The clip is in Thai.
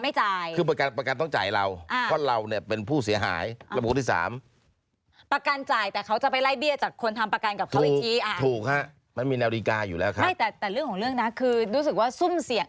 ไม่แต่เรื่องของเรื่องนะคือรู้สึกซุ่มเสีย